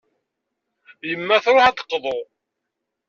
Yemma truḥ ad d-teqḍu.